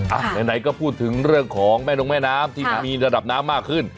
ไหนก็พูดถึงเรื่องของแม่นงแม่น้ำที่มันมีระดับน้ำมากขึ้น